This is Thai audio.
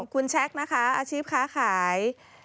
คุณแชคนะคะอาชีพค้าขาย